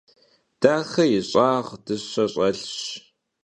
Daxe yi ş'ağ dışe ş'elhş.